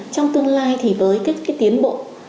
trong tương lai thì với cái tiến bộ